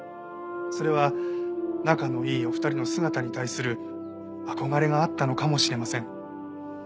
それは仲のいいお二人の姿に対する憧れがあったのかもしれません。